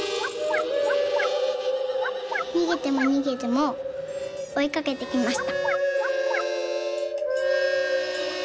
「にげてもにげてもおいかけてきました」。